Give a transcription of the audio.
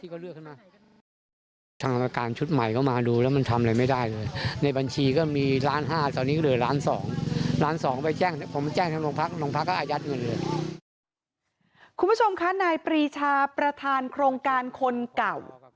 คุณผู้ชมคะนายปรีชาประธานโครงการคนเก่า